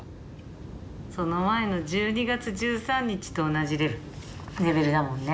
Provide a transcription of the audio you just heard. その前の１２月１３日と同じレベルだもんね。